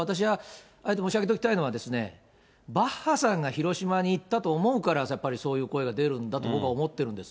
あえて申し上げておきたいのは、バッハさんが広島に行ったと思うから、やっぱりそういう声が出るんだと、僕は思ってるんです。